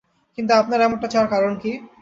কিন্তু আপনার এমনটা চাওয়ার কারণ কী?